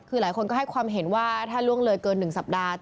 คือหลายคนก็ให้ความเห็นว่าถ้าล่วงเลยเกิน๑สัปดาห์